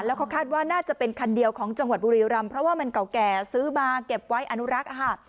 เขาคาดว่าน่าจะเป็นคันเดียวของจังหวัดบุรีรำเพราะว่ามันเก่าแก่ซื้อมาเก็บไว้อนุรักษ์อาหาร